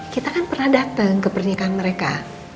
kita kan pernah datang ke pernikahan mereka